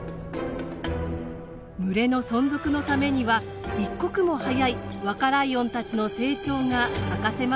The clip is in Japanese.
群れの存続のためには一刻も早い若ライオンたちの成長が欠かせません。